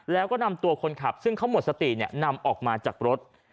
แล้วก็นำตัวคนขับซึ่งเขาหมดสตินำออกมาจากรถ